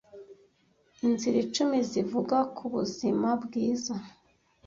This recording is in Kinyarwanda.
inzira icumi zivuga ku Ubuzima bwiza